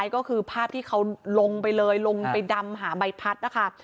ก็คือภาพที่เขาลงไปเลยลงไปดำหาใบพัดนะคะ